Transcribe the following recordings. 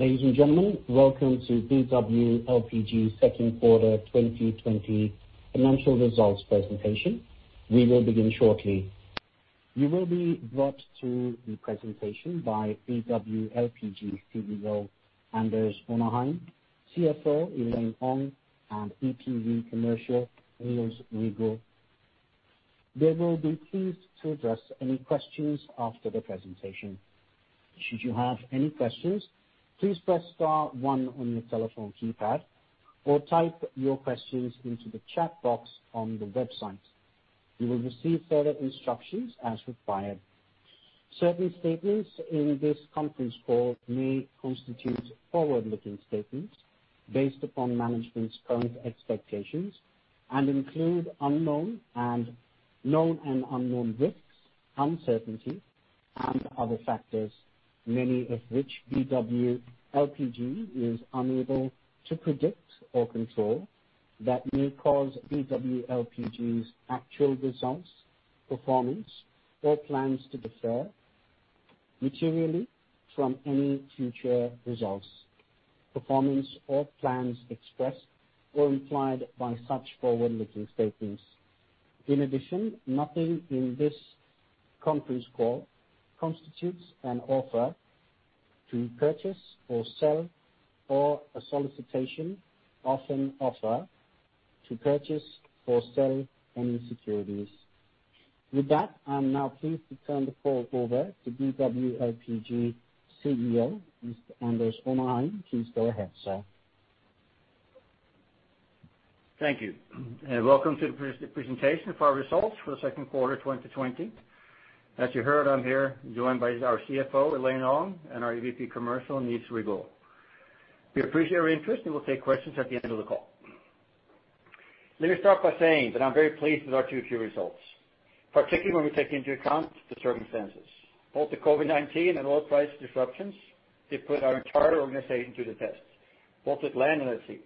Ladies and gentlemen, welcome to BW LPG's second quarter 2020 financial results presentation. We will begin shortly. You will be brought to the presentation by BW LPG CEO, Anders Onarheim, CFO, Elaine Ong, and EVP Commercial, Niels Rigault. They will be pleased to address any questions after the presentation. Should you have any questions, please press star one on your telephone keypad, or type your questions into the chat box on the website. You will receive further instructions as required. Certain statements in this conference call may constitute forward-looking statements based upon management's current expectations and include known and unknown risks, uncertainties, and other factors, many of which BW LPG is unable to predict or control, that may cause BW LPG's actual results, performance, or plans to differ materially from any future results, performance, or plans expressed or implied by such forward-looking statements. In addition, nothing in this conference call constitutes an offer to purchase or sell, or a solicitation of an offer to purchase or sell any securities. With that, I'm now pleased to turn the call over to BW LPG CEO, Mr. Anders Onarheim. Please go ahead, sir. Thank you, and welcome to the presentation of our results for the second quarter, 2020. As you heard, I'm here joined by our CFO, Elaine Ong, and our EVP Commercial, Niels Rigault. We appreciate your interest, and we'll take questions at the end of the call. Let me start by saying that I'm very pleased with our Q2 results, particularly when we take into account the circumstances. Both the COVID-19 and oil price disruptions, they put our entire organization to the test, both at land and at sea.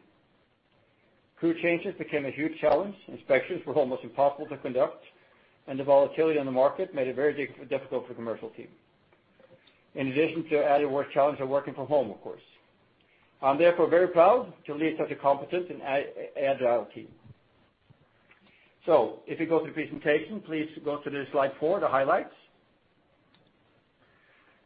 Crew changes became a huge challenge, inspections were almost impossible to conduct, and the volatility in the market made it very difficult for the commercial team. In addition to the added work challenge of working from home, of course. I'm therefore very proud to lead such a competent and agile team. If you go to the presentation, please go to Slide 4, the highlights.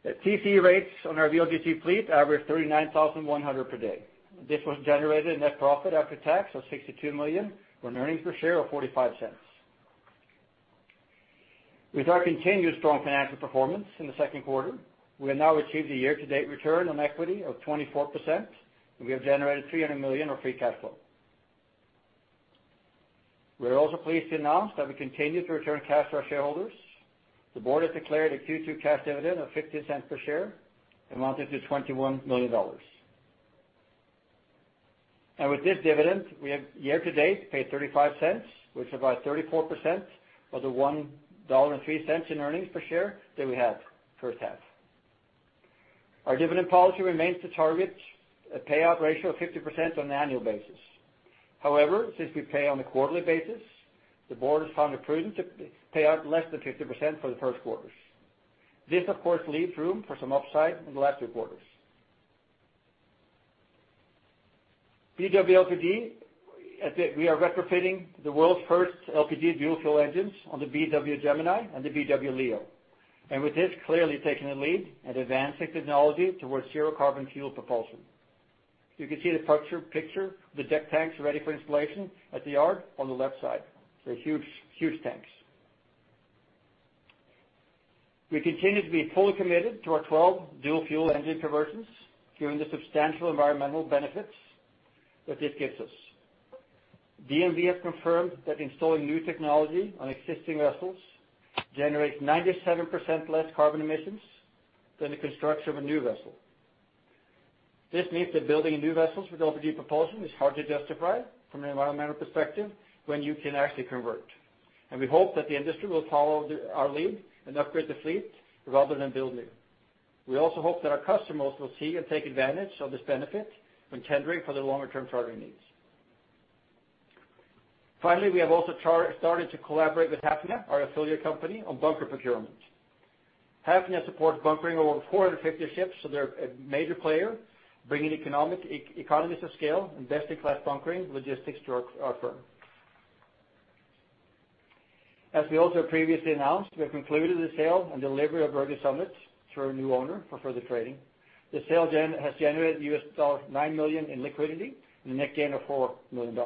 The TC rates on our VLGC fleet averaged 39,100 per day. This was generated a net profit after tax of $62 million, with an earnings per share of $0.45. With our continued strong financial performance in the second quarter, we have now achieved a year-to-date return on equity of 24%, and we have generated $300 million of free cash flow. We are also pleased to announce that we continue to return cash to our shareholders. The board has declared a Q2 cash dividend of $0.15 per share, amounting to $21 million. With this dividend, we have year-to-date paid $0.35, which is about 34% of the $1.03 in earnings per share that we had first half. Our dividend policy remains to target a payout ratio of 50% on an annual basis. However, since we pay on a quarterly basis, the board has found it prudent to pay out less than 50% for the first quarters. This, of course, leaves room for some upside in the latter quarters. BW LPG, we are retrofitting the world's first LPG dual fuel engines on the BW Gemini and the BW Leo, and with this, clearly taking the lead and advancing technology towards zero carbon fuel propulsion. You can see the picture, the deck tanks ready for installation at the yard on the left side. They're huge tanks. We continue to be fully committed to our 12 dual fuel engine conversions, given the substantial environmental benefits that this gives us. DNV has confirmed that installing new technology on existing vessels generates 97% less carbon emissions than the construction of a new vessel. This means that building new vessels with LPG propulsion is hard to justify from an environmental perspective when you can actually convert, and we hope that the industry will follow our lead and upgrade the fleet rather than build new. We also hope that our customers will see and take advantage of this benefit when tendering for their longer-term chartering needs. Finally, we have started to collaborate with Hafnia, our affiliate company, on bunker procurement. Hafnia supports bunkering over 450 ships, so they're a major player, bringing economies of scale and best-in-class bunkering logistics to our firm. As we also previously announced, we have concluded the sale and delivery of Berge Summit through our new owner for further trading. The sale has generated $9 million in liquidity and a net gain of $4 million.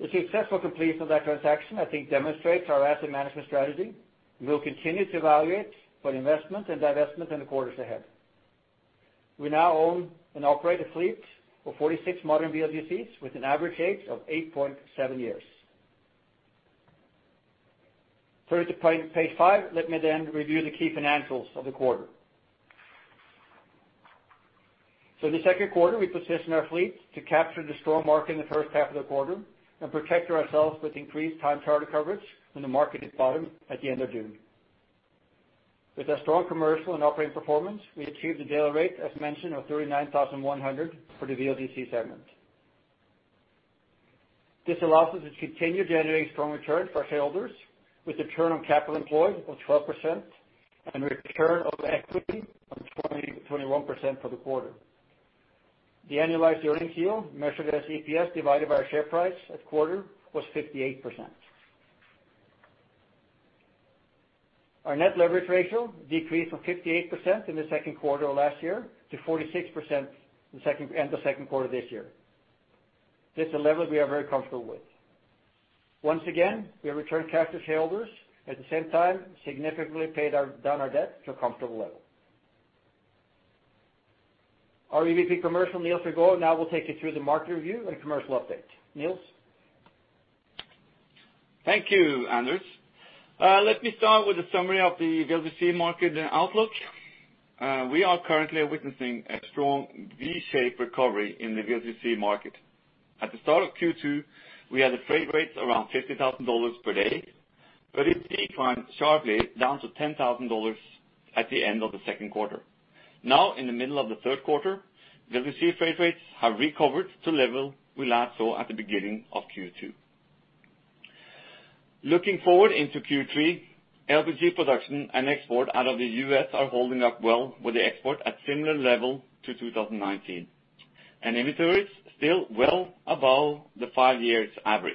The successful completion of that transaction, I think, demonstrates our asset management strategy. We will continue to evaluate for investment and divestment in the quarters ahead. We now own and operate a fleet of 46 modern VLGCs, with an average age of 8.7 years. Turn to page five. Let me then review the key financials of the quarter. So in the second quarter, we positioned our fleet to capture the strong market in the first half of the quarter and protect ourselves with increased time charter coverage when the market hit bottom at the end of June. With our strong commercial and operating performance, we achieved a daily rate, as mentioned, of 39,100 for the VLGC segment. This allows us to continue generating strong returns for shareholders, with return on capital employed of 12% and return on equity of 20%-21% for the quarter. The annualized earnings yield, measured as EPS, divided by our share price at quarter end, was 58%. Our net leverage ratio decreased from 58% in the second quarter of last year to 46% at the end of the second quarter this year. This is a level we are very comfortable with. Once again, we have returned cash to shareholders, at the same time, significantly paid down our debt to a comfortable level. Our EVP Commercial, Niels Rigault, now will take you through the market review and commercial update. Niels? Thank you, Anders. Let me start with a summary of the VLGC market and outlook. We are currently witnessing a strong V-shaped recovery in the VLGC market. At the start of Q2, we had the freight rates around $50,000 per day, but it declined sharply, down to $10,000 at the end of the second quarter. Now, in the middle of the third quarter, VLGC freight rates have recovered to level we last saw at the beginning of Q2. Looking forward into Q3, LPG production and export out of the U.S. are holding up well, with the export at similar level to 2019, and inventories still well above the five-year average.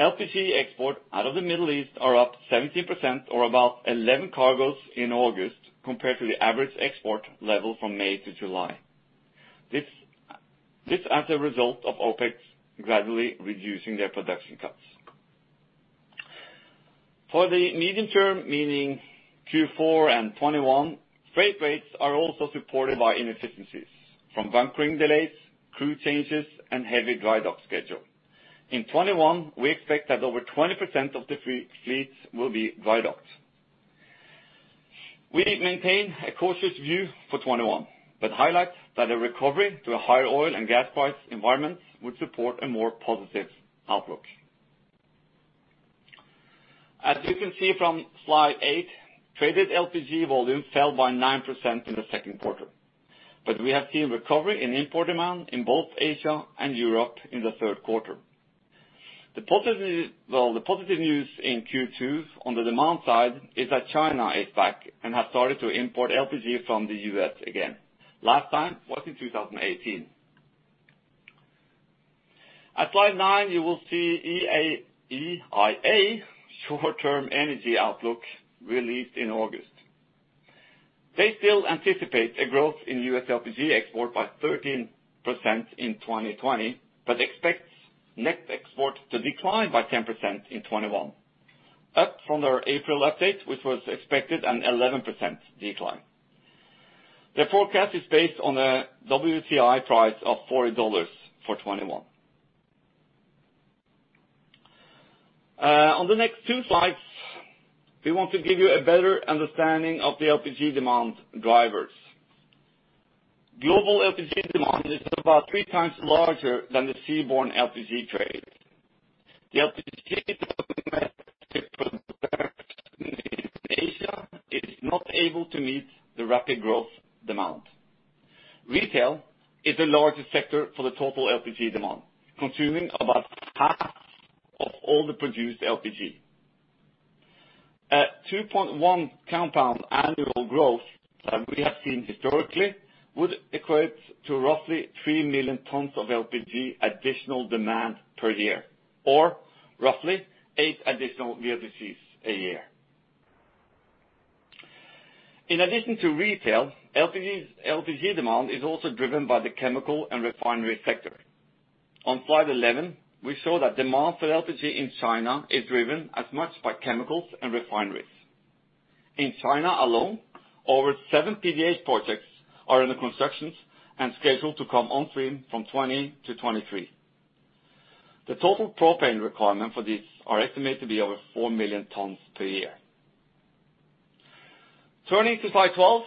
LPG export out of the Middle East are up 17% or about 11 cargos in August, compared to the average export level from May to July. This as a result of OPEC gradually reducing their production cuts. For the medium term, meaning Q4 and 2021, freight rates are also supported by inefficiencies from bunkering delays, crew changes, and heavy dry dock schedule. In 2021, we expect that over 20% of the VLGC fleet will be dry docked. We maintain a cautious view for 2021, but highlight that a recovery to a higher oil and gas price environment would support a more positive outlook. As you can see from Slide 8, traded LPG volumes fell by 9% in the second quarter, but we have seen recovery in import demand in both Asia and Europe in the third quarter. Well, the positive news in Q2 on the demand side is that China is back and has started to import LPG from the U.S. again. Last time was in 2018. At Slide 9, you will see EIA short-term energy outlook released in August. They still anticipate a growth in U.S. LPG export by 13% in 2020, but expects net export to decline by 10% in 2021, up from their April update, which was expected an 11% decline. Their forecast is based on a WTI price of $40 for 2021. On the next two slides, we want to give you a better understanding of the LPG demand drivers. Global LPG demand is about 3x larger than the seaborne LPG trade. The LPG Asia is not able to meet the rapid growth demand. Retail is the largest sector for the total LPG demand, consuming about half of all the produced LPG. At 2.1 compound annual growth that we have seen historically, would equate to roughly three million tons of LPG additional demand per year, or roughly eight additional VLGCs a year. In addition to retail, LPG, LPG demand is also driven by the chemical and refinery sector. On Slide 11, we show that demand for LPG in China is driven as much by chemicals and refineries. In China alone, over seven PDH projects are under construction and scheduled to come on stream from 2020 to 2023. The total propane requirement for these are estimated to be over four million tons per year. Turning to Slide 12,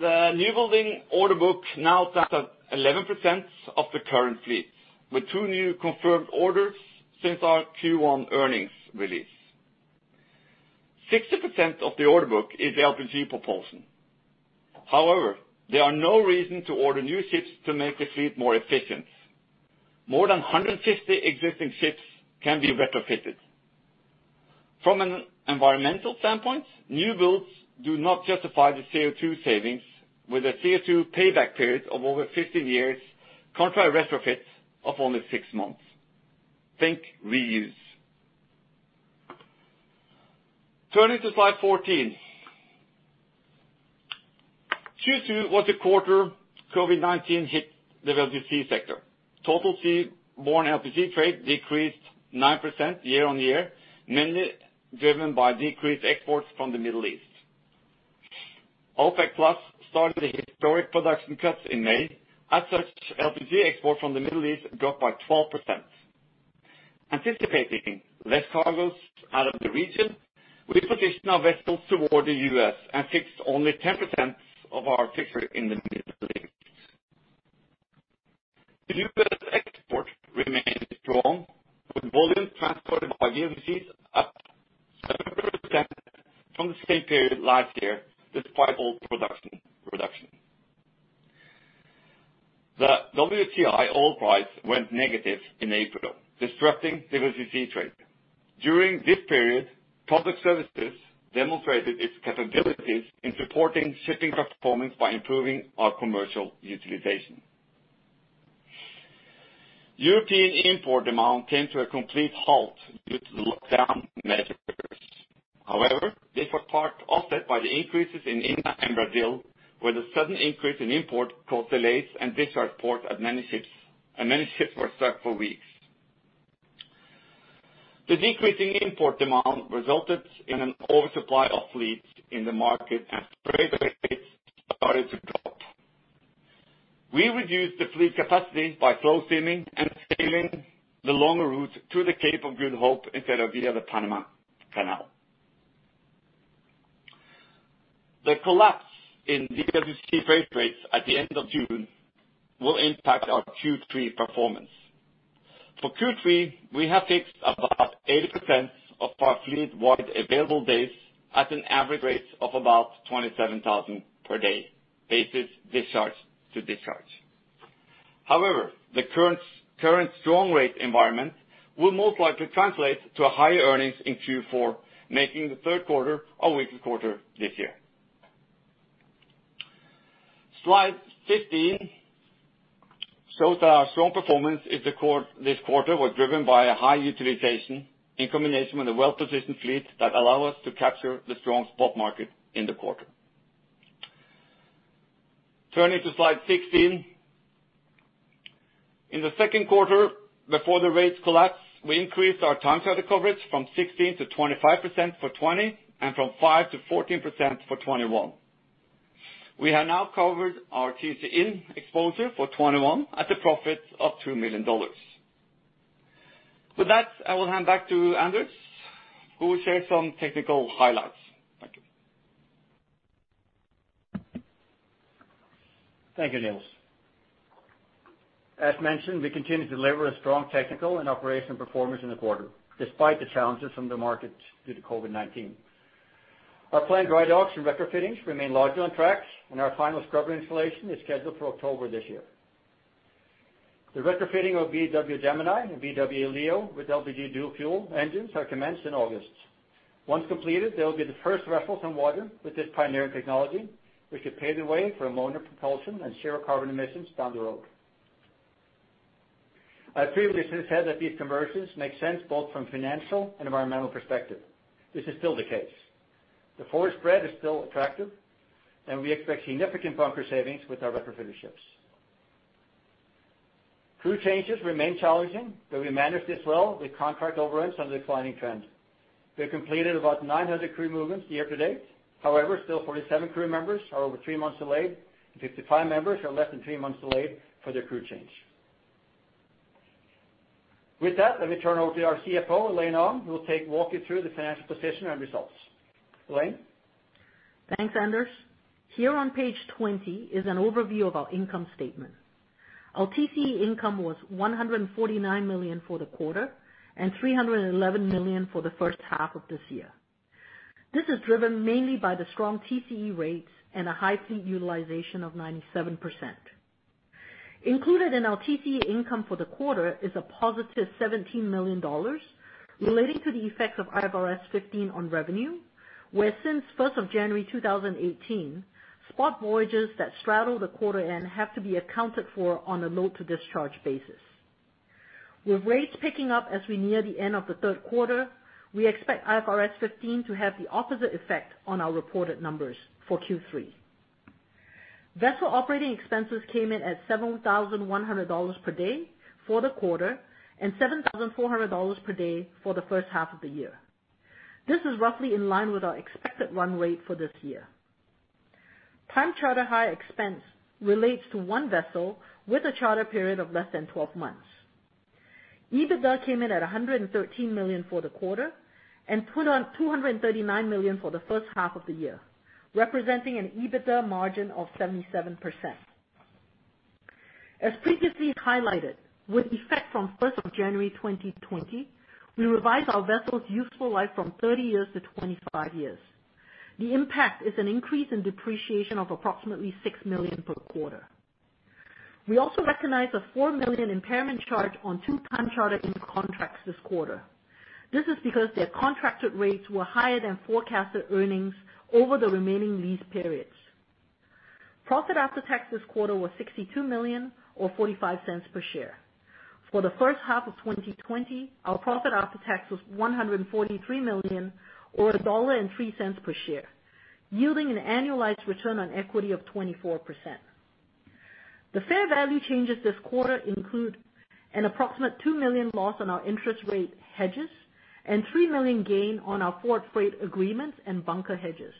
the newbuilding order book now stands at 11% of the current fleet, with two new confirmed orders since our Q1 earnings release. 60% of the order book is LPG propulsion. However, there is no reason to order new ships to make the fleet more efficient. More than 150 existing ships can be retrofitted. From an environmental standpoint, new builds do not justify the CO₂ savings with a CO₂ payback period of over 15 years, contrary to retrofits of only six months. Think reuse. Turning to Slide 14. Q2 was the quarter COVID-19 hit the VLGC sector. Total seaborne LPG trade decreased 9% year-on-year, mainly driven by decreased exports from the Middle East. OPEC+ started the historic production cuts in May. As such, LPG export from the Middle East dropped by 12%. Anticipating less cargos out of the region, we positioned our vessels toward the U.S. and fixed only 10% of our fixture in the Middle East. The U.S. export remains strong, with volume transported by VLGC up from the same period last year, despite oil production. The WTI oil price went negative in April, disrupting VLGC trade. During this period, Product Services demonstrated its capabilities in supporting shipping performance by improving our commercial utilization. European import demand came to a complete halt due to the lockdown measures. However, these were partly offset by the increases in India and Brazil, where the sudden increase in import caused delays and discharge port at many ships, and many ships for several weeks. The decreasing import demand resulted in an oversupply of fleets in the market, and freight rates started to drop. We reduced the fleet capacity by slow steaming and sailing the longer route to the Cape of Good Hope instead of via the Panama Canal. The collapse in VLGC freight rates at the end of June will impact our Q3 performance. For Q3, we have fixed about 80% of our fleet-wide available days at an average rate of about $27,000 per day, basis discharge to discharge. However, the current strong rate environment will most likely translate to a higher earnings in Q4, making the third quarter a weaker quarter this year. Slide 15 shows that our strong performance in this quarter was driven by a high utilization in combination with a well-positioned fleet that allow us to capture the strong spot market in the quarter. Turning to Slide 16. In the second quarter, before the rates collapse, we increased our time charter coverage from 16% to 25% for 2020, and from 5% to 14% for 2021. We have now covered our TCE in exposure for 2021 at a profit of $2 million. With that, I will hand back to Anders, who will share some technical highlights. Thank you. Thank you, Niels. As mentioned, we continue to deliver a strong technical and operational performance in the quarter, despite the challenges from the market due to COVID-19. Our planned dry docks and retrofittings remain largely on track, and our final scrubber installation is scheduled for October this year. The retrofitting of BW Gemini and BW Leo with LPG dual fuel engines are commenced in August. Once completed, they will be the first vessels on water with this pioneering technology, which should pave the way for a lower propulsion and zero carbon emissions down the road. I previously said that these conversions make sense, both from financial and environmental perspective. This is still the case. The forward spread is still attractive, and we expect significant bunker savings with our retrofitted ships. Crew changes remain challenging, but we managed this well with contract overruns on the declining trend. We have completed about 900 crew movements year-to-date. However, still 47 crew members are over three months delayed, and 55 members are less than three months delayed for their crew change. With that, let me turn over to our CFO, Elaine Ong, who will walk you through the financial position and results. Elaine? Thanks, Anders. Here on page 20 is an overview of our income statement. Our TCE income was $149 million for the quarter and $311 million for the first half of this year. This is driven mainly by the strong TCE rates and a high fleet utilization of 97%. Included in our TCE income for the quarter is a positive $17 million relating to the effects of IFRS 15 on revenue, where since first of January 2018, spot voyages that straddle the quarter end have to be accounted for on a load-to-discharge basis. With rates picking up as we near the end of the third quarter, we expect IFRS 15 to have the opposite effect on our reported numbers for Q3. Vessel operating expenses came in at $7,100 per day for the quarter and $7,400 per day for the first half of the year. This is roughly in line with our expected run rate for this year. Time charter hire expense relates to one vessel with a charter period of less than 12 months. EBITDA came in at $113 million for the quarter and $239 million for the first half of the year, representing an EBITDA margin of 77%. As previously highlighted, with effect from first of January 2020, we revised our vessel's useful life from 30 years to 25 years. The impact is an increase in depreciation of approximately $6 million per quarter. We also recognize a $4 million impairment charge on two time charter-in contracts this quarter. This is because their contracted rates were higher than forecasted earnings over the remaining lease periods. Profit after tax this quarter was $62 million or $0.45 per share. For the first half of 2020, our profit after tax was $143 million or $1.03 per share, yielding an annualized return on equity of 24%. The fair value changes this quarter include an approximate $2 million loss on our interest rate hedges and $3 million gain on our forward freight agreements and bunker hedges.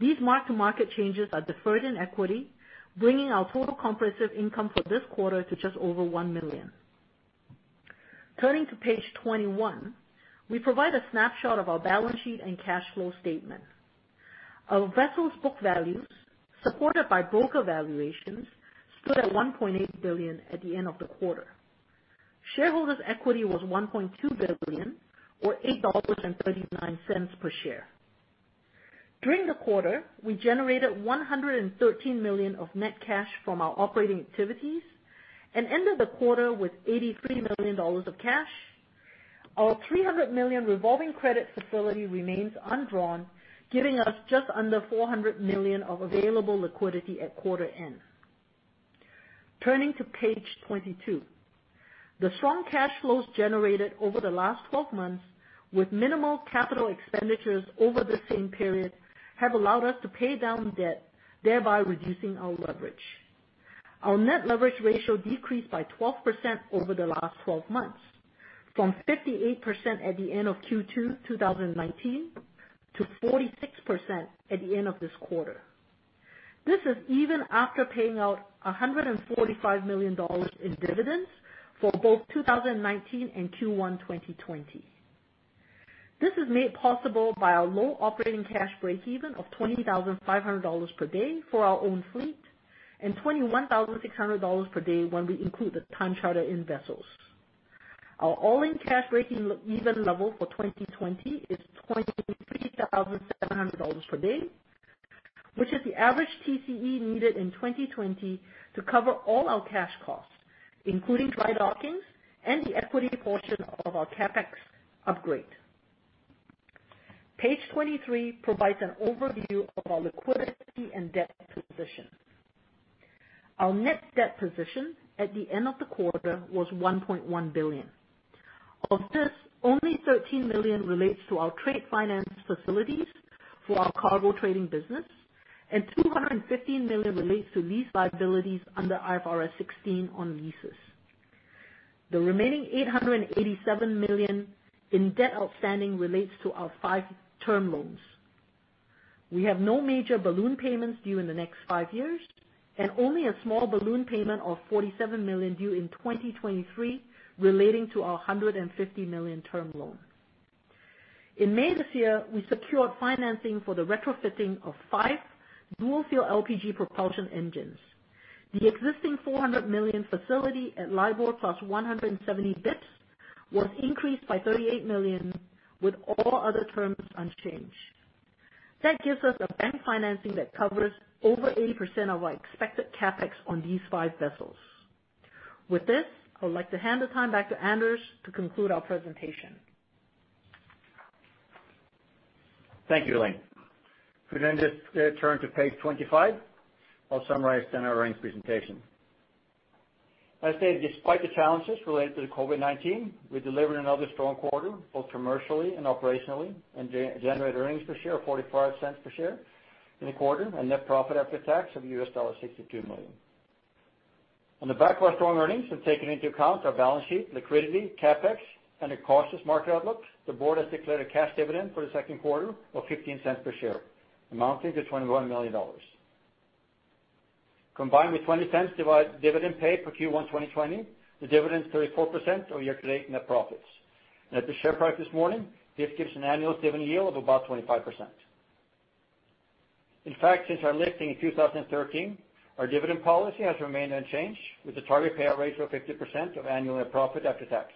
These mark-to-market changes are deferred in equity, bringing our total comprehensive income for this quarter to just over $1 million. Turning to page 21, we provide a snapshot of our balance sheet and cash flow statement. Our vessels book values, supported by broker valuations, stood at $1.8 billion at the end of the quarter. Shareholder's equity was $1.2 billion, or $8.39 per share. During the quarter, we generated $113 million of net cash from our operating activities and ended the quarter with $83 million of cash. Our $300 million revolving credit facility remains undrawn, giving us just under $400 million of available liquidity at quarter end. Turning to page 22, the strong cash flows generated over the last 12 months, with minimal capital expenditures over the same period, have allowed us to pay down debt, thereby reducing our leverage. Our net leverage ratio decreased by 12% over the last 12 months, from 58% at the end of Q2 2019, to 46% at the end of this quarter. This is even after paying out $145 million in dividends for both 2019 and Q1 2020. This is made possible by our low operating cash breakeven of $20,500 per day for our own fleet, and $21,600 per day when we include the time charter in vessels. Our all-in cash breakeven level for 2020 is $23,700 per day, which is the average TCE needed in 2020 to cover all our cash costs, including dry dockings and the equity portion of our CapEx upgrade. Page 23 provides an overview of our liquidity and debt position. Our net debt position at the end of the quarter was $1.1 billion. Of this, only $13 million relates to our trade finance facilities for our cargo trading business, and $215 million relates to lease liabilities under IFRS 16 on leases. The remaining $887 million in debt outstanding relates to our five term loans. We have no major balloon payments due in the next five years, and only a small balloon payment of $47 million due in 2023, relating to our $150 million term loan. In May this year, we secured financing for the retrofitting of five dual fuel LPG propulsion engines. The existing $400 million facility at LIBOR+ 170 basis points was increased by $38 million, with all other terms unchanged. That gives us a bank financing that covers over 80% of our expected CapEx on these five vessels. With this, I would like to hand the time back to Anders to conclude our presentation. Thank you, Elaine. We then just turn to page 25. I'll summarize then our earnings presentation. I say, despite the challenges related to the COVID-19, we delivered another strong quarter, both commercially and operationally, and generated earnings per share of $0.45 per share in the quarter, and net profit after tax of $62 million. On the back of our strong earnings, and taking into account our balance sheet, liquidity, CapEx, and a cautious market outlook, the board has declared a cash dividend for the second quarter of $0.15 per share, amounting to $21 million. Combined with $0.20 dividend paid for Q1 2020, the dividend is 34% of year-to-date net profits. At the share price this morning, this gives an annual dividend yield of about 25%. In fact, since our listing in 2013, our dividend policy has remained unchanged, with a target payout ratio of 50% of annual net profit after tax.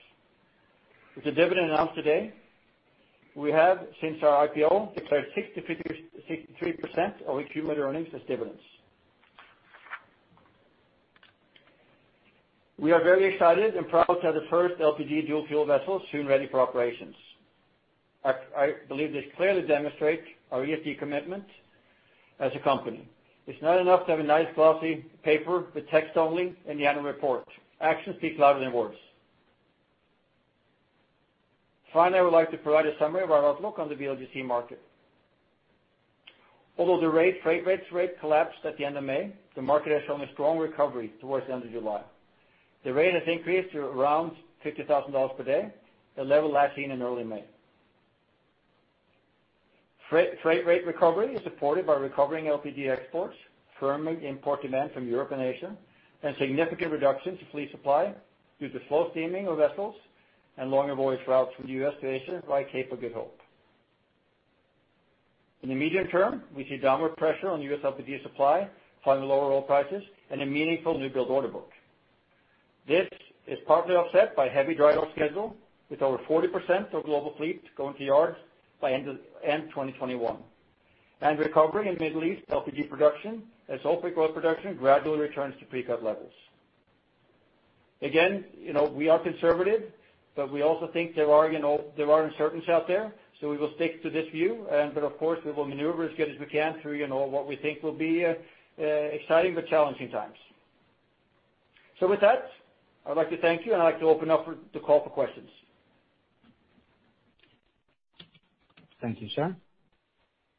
With the dividend announced today, we have, since our IPO, declared 63% of accumulated earnings as dividends. We are very excited and proud to have the first LPG dual fuel vessel soon ready for operations. I believe this clearly demonstrates our ESG commitment as a company. It's not enough to have a nice, glossy paper with text only in the annual report. Actions speak louder than words. Finally, I would like to provide a summary of our outlook on the VLGC market. Although freight rates collapsed at the end of May, the market has shown a strong recovery towards the end of July. The rate has increased to around $50,000 per day, a level last seen in early May. Freight, freight rate recovery is supported by recovering LPG exports, firming import demand from Europe and Asia, and significant reductions to fleet supply due to slow steaming of vessels and longer voyage routes from the U.S. to Asia by Cape of Good Hope. In the medium term, we see downward pressure on U.S. LPG supply, following lower oil prices and a meaningful newbuild order book. This is partly offset by heavy drydock schedule, with over 40% of global fleet going to yards by end of 2021, and recovery in Middle East LPG production, as OPEC oil production gradually returns to pre-cut levels. Again, you know, we are conservative, but we also think there are, you know, there are uncertainties out there, so we will stick to this view. But of course, we will maneuver as good as we can through, you know, what we think will be exciting but challenging times. With that, I'd like to thank you, and I'd like to open up the call for questions. Thank you, sir.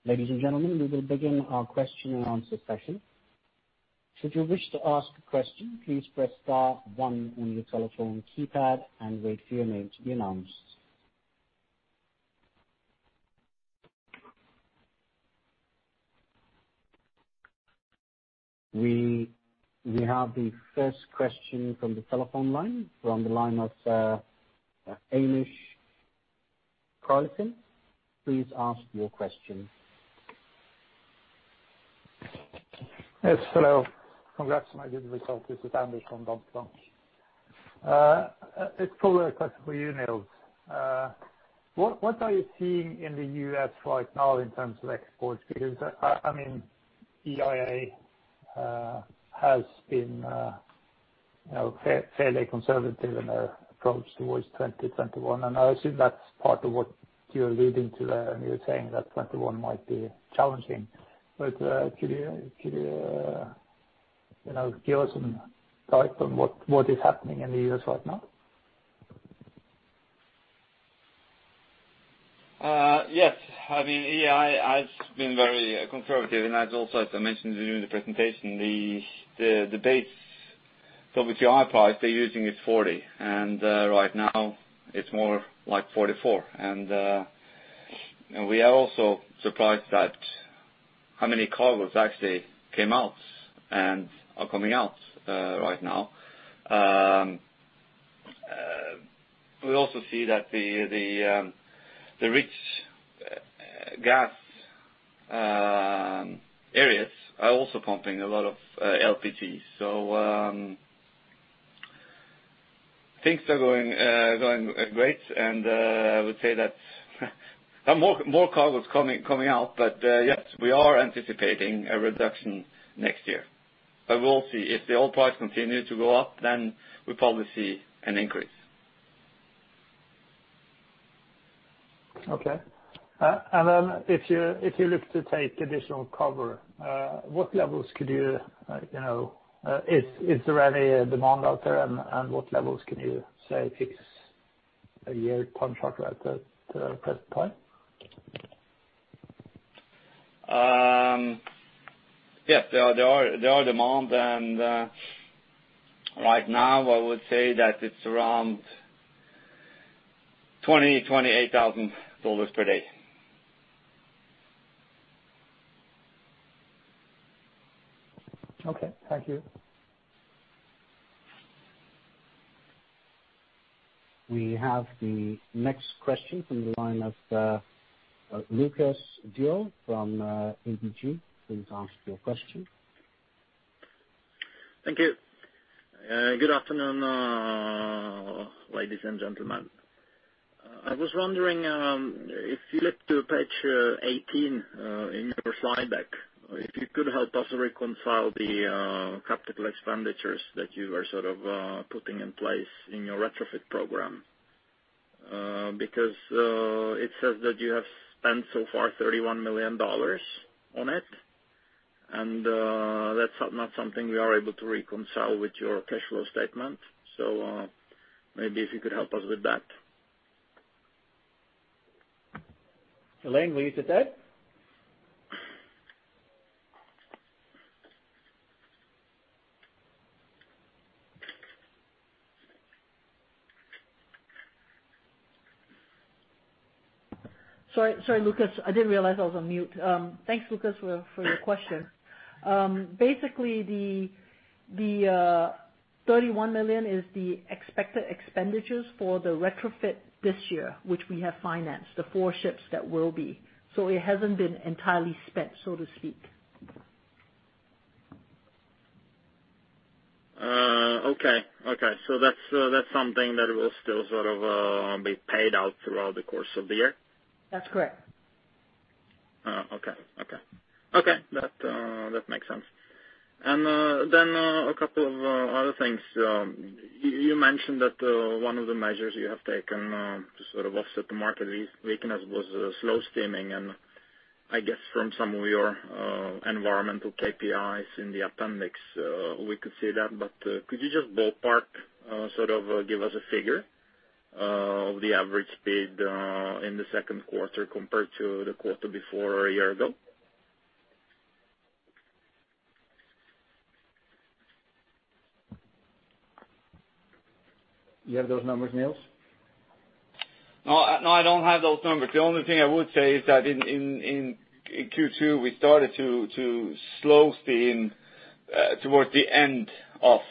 Ladies and gentlemen, we will begin our question-and-answer session. Should you wish to ask a question, please press star one on your telephone keypad and wait for your name to be announced. We have the first question from the telephone line, from the line of Amish Karlsen. Please ask your question. Yes, hello. Congrats on a good result. This is Anders from. It's a question for you, Niels. What are you seeing in the U.S. right now in terms of exports? Because I mean, EIA has been, you know, fairly conservative in their approach towards 2021, and I assume that's part of what you're alluding to there, and you're saying that 2021 might be challenging. But could you give us some guidance on what is happening in the U.S. right now? Yes. I mean, EIA has been very conservative, and, as I also mentioned to you in the presentation, the base WTI price they're using is $40, and right now, it's more like $44, and we are also surprised that how many cargoes actually came out and are coming out right now. We also see that the rich gas areas are also pumping a lot of LPG, so things are going great, and I would say that more cargoes coming out, but yes, we are anticipating a reduction next year, but we'll see. If the oil price continue to go up, then we'll probably see an increase. Okay. And then if you look to take additional cover, what levels could you, you know. Is there any demand out there, and what levels can you say fix a year contract at the present point? Yeah, there is demand, and right now, I would say that it's around $28,000 per day. Okay. Thank you. We have the next question from the line of Lukas Daul from ABG. Please ask your question. Thank you. Good afternoon, ladies and gentlemen. I was wondering, if you look to page 18 in your slide deck, if you could help us reconcile the capital expenditures that you are sort of putting in place in your retrofit program. Because it says that you have spent so far $31 million on it, and that's not something we are able to reconcile with your cash flow statement, so maybe if you could help us with that. Elaine, will you take that? Sorry, sorry, Lucas. I didn't realize I was on mute. Thanks, Lukas, for your question. Basically, the $31 million is the expected expenditures for the retrofit this year, which we have financed, the four ships that will be. So it hasn't been entirely spent, so to speak. Okay, okay. So that's, that's something that will still sort of be paid out throughout the course of the year? That's correct. Okay. That makes sense. And then a couple of other things. You mentioned that one of the measures you have taken to sort of offset the market weakness was slow steaming, and I guess from some of your environmental KPIs in the appendix, we could see that. But could you just ballpark sort of give us a figure of the average speed in the second quarter compared to the quarter before a year ago? You have those numbers, Niels? No, no, I don't have those numbers. The only thing I would say is that in Q2, we started to slow steaming towards the end of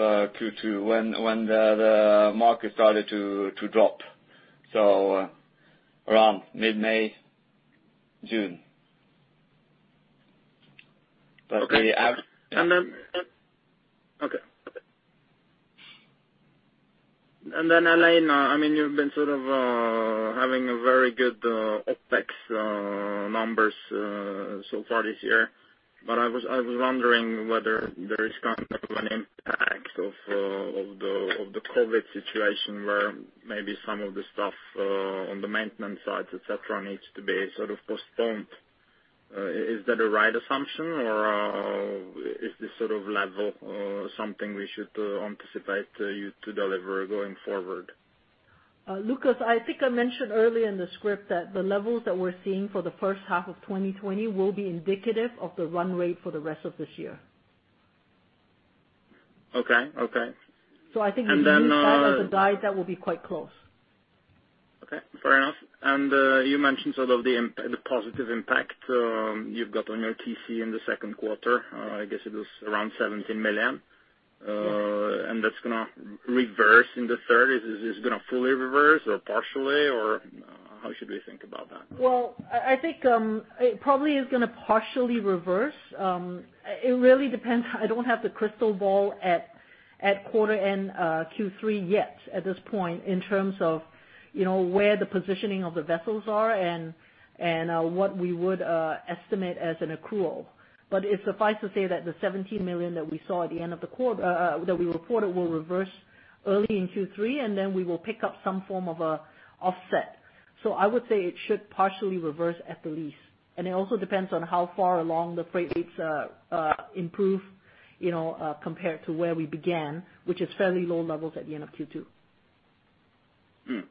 Q2, when the market started to drop, so around mid-May, June. That's really av. Elaine, I mean, you've been sort of having a very good OpEx numbers so far this year, but I was wondering whether there is kind of an impact of the COVID situation, where maybe some of the stuff on the maintenance side, et cetera, needs to be sort of postponed. Is that a right assumption, or is this sort of level something we should anticipate you to deliver going forward? Lucas, I think I mentioned earlier in the script that the levels that we're seeing for the first half of 2020 will be indicative of the run rate for the rest of this year. Okay, okay. So I think that as a guide, that will be quite close. Okay, fair enough. And you mentioned sort of the positive impact you've got on your TC in the second quarter. I guess it was around $17 million. That's gonna reverse in the third. Is this gonna fully reverse or partially or? How should we think about that? I think it probably is going to partially reverse. It really depends. I don't have the crystal ball at quarter end Q3 yet, at this point, in terms of you know where the positioning of the vessels are and what we would estimate as an accrual. But it suffices to say that the $17 million that we saw at the end of the quarter that we reported will reverse early in Q3, and then we will pick up some form of a offset. I would say it should partially reverse at the least. It also depends on how far along the freight rates improve, you know compared to where we began, which is fairly low levels at the end of Q2. Okay.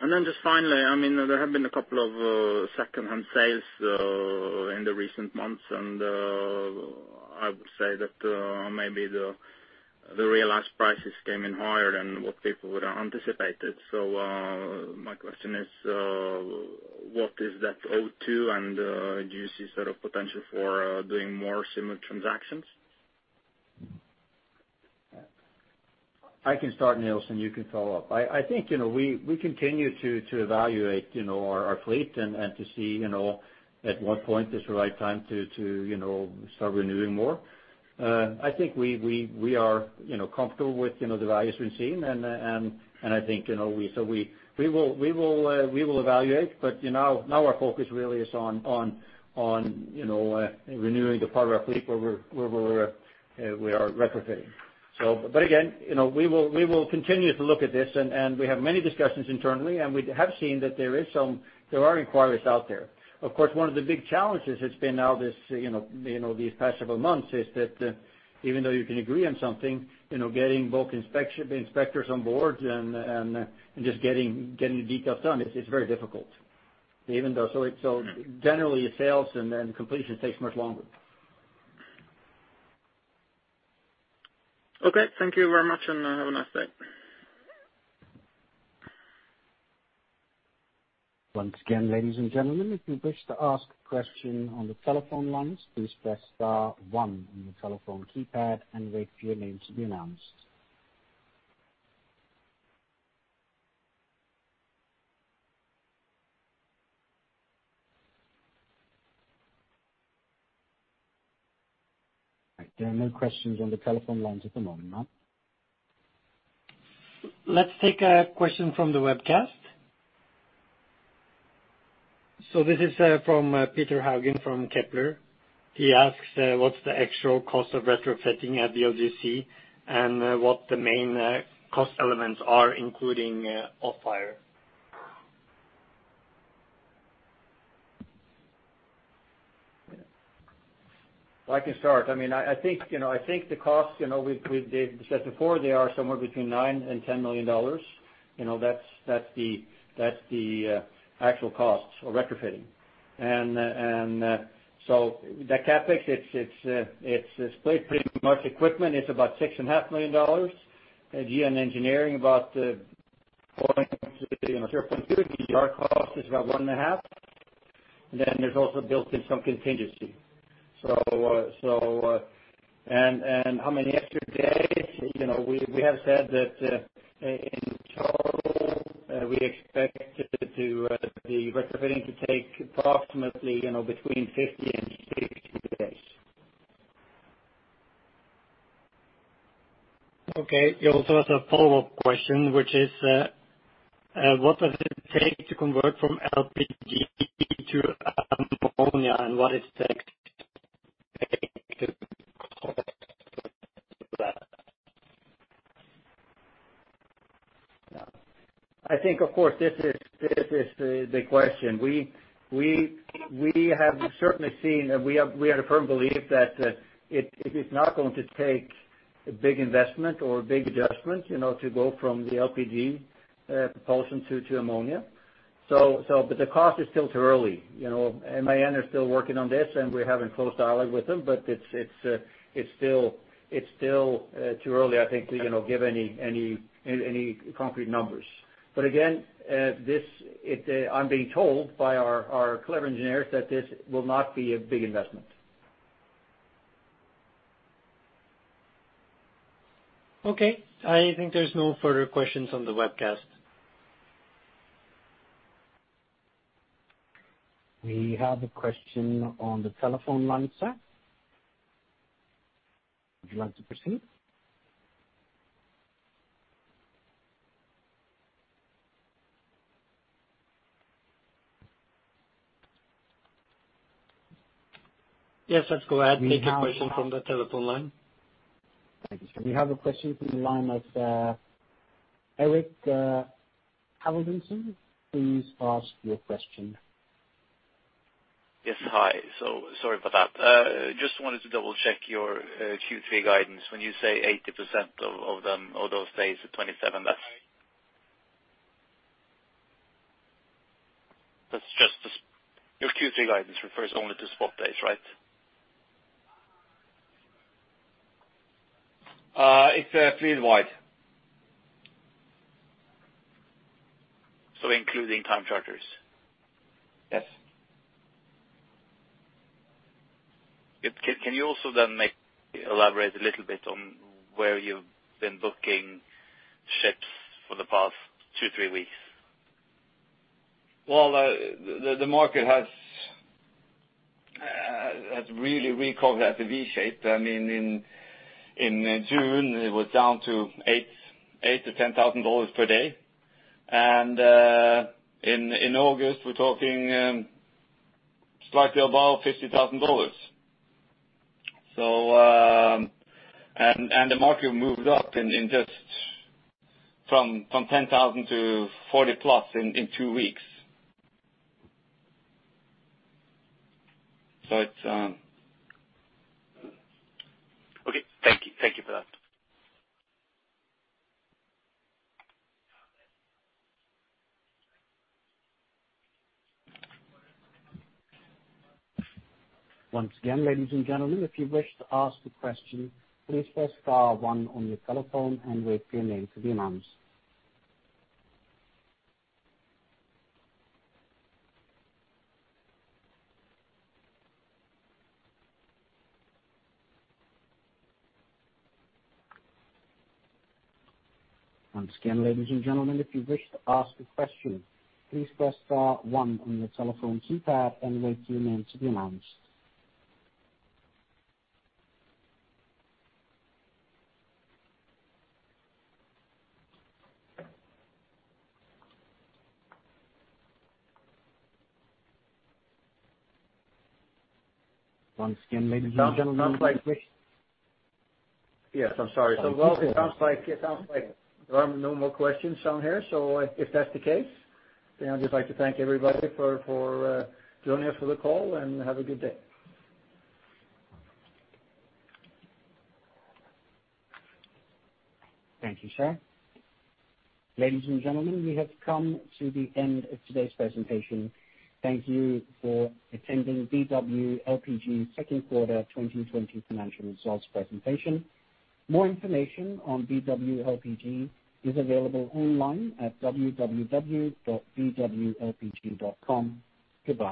And then just finally, I mean, there have been a couple of secondhand sales in the recent months, and I would say that maybe the realized prices came in higher than what people would have anticipated. So, my question is, what is that owed to, and do you see sort of potential for doing more similar transactions? I can start, Niels, and you can follow up. I think, you know, we continue to evaluate, you know, our fleet and to see, you know, at what point is the right time to start renewing more. I think we are, you know, comfortable with, you know, the values we've seen. And I think, you know, so we will evaluate, but, you know, now our focus really is on renewing the part of our fleet where we are retrofitting. So but again, you know, we will continue to look at this, and we have many discussions internally, and we have seen that there is some. There are inquiries out there. Of course, one of the big challenges has been now this, you know, these past several months, is that even though you can agree on something, you know, getting bulk inspectors on board and just getting the details done, it's very difficult. So generally, sales and then completion takes much longer. Okay, thank you very much, and have a nice day. Once again, ladies and gentlemen, if you wish to ask questions on the telephone lines, please press star one on your telephone keypad and wait for your name to be announced. There are no questions on the telephone lines at the moment. Let's take a question from the webcast. So this is from Peder Haugen from Kepler. He asks what's the actual cost of retrofitting at a VLGC, and what the main cost elements are, including off hire? I can start. I mean, I think, you know, I think the cost, you know, we've said before, they are somewhere between $9 million-$10 million. You know, that's the actual costs of retrofitting. And so the CapEx, it's split pretty much. Equipment, it's about $6.5 million. In engineering, about, point, you know, $3.2 million. Our cost is about $1.5 million. Then there's also built in some contingency. So. And how many extra days? You know, we have said that, in total, we expect it to, the retrofitting to take approximately, you know, between 50 and 60 days. Okay. He also has a follow-up question, which is, what does it take to convert from LPG to ammonia, and what is next to convert to that? I think, of course, this is the question. We have certainly seen, and we had a firm belief that it is not going to take a big investment or a big adjustment, you know, to go from the LPG propulsion to ammonia. So, but the cost is still too early. You know, MAN is still working on this, and we're having close dialogue with them, but it's still too early, I think, to, you know, give any concrete numbers. But again, this, it. I'm being told by our clever engineers that this will not be a big investment. Okay, I think there's no further questions on the webcast. We have a question on the telephone line, sir. Would you like to proceed? Yes, let's go ahead. Take a question from the telephone line. Thank you, sir. We have a question from the line of Eirik Haavaldsen. Please ask your question. Yes, hi. So sorry about that. Just wanted to double-check your Q3 guidance. When you say 80% of, of them, of those days are 27, that's just the, your Q3 guidance refers only to spot days, right? It's fleet wide. Including time charters? Yes. Can you also then elaborate a little bit on where you've been booking ships for the past two, three weeks? The market has really recovered as a V shape. I mean, in June, it was down to $8,000-$10,000 per day. And in August, we're talking slightly above $50,000. So, and the market moved up in just from $10,000-$40,000+ in two weeks. So it's Okay, thank you. Thank you for that. Once again, ladies and gentlemen, if you wish to ask a question, please press star one on your telephone and wait for your name to be announced. Once again, ladies and gentlemen, if you wish to ask a question, please press star one on your telephone keypad and wait for your name to be announced. Once again, ladies and gentlemen. Yes, I'm sorry. So well, it sounds like there are no more questions down here. So if that's the case, then I'd just like to thank everybody for joining us for the call, and have a good day. Thank you, sir. Ladies and gentlemen, we have come to the end of today's presentation. Thank you for attending BW LPG's second quarter 2020 financial results presentation. More information on BW LPG is available online at www.bwlpg.com. Goodbye.